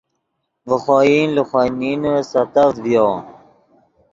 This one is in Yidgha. ڤے خوئن لے خوئے نینے سیتڤد ڤیو